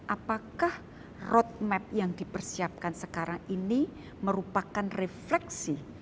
apakah roadmap yang dipersiapkan sekarang ini merupakan refleksi